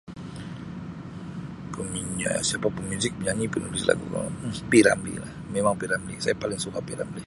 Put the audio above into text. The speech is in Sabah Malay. [unintelligible] Siapa pemuzik, penyanyi penulis lagu P Ramlee lah memang P Ramlee saya paling suka P Ramlee.